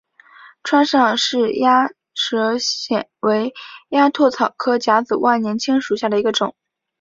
川上氏鸭舌疝为鸭跖草科假紫万年青属下的一个种。